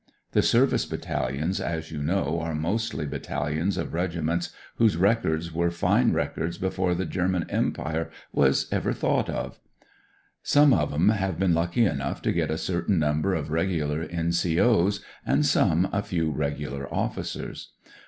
The Service Battalions, as you know, are mostly battahons of regiments whose records were fine records before the German Empire was ever thought of. Some of 'em have been lucky enough to get a certain nimiber of Regular N.C.O.'s, and some a few Regular officers.